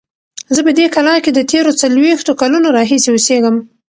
زه په دې کلا کې د تېرو څلوېښتو کلونو راهیسې اوسیږم.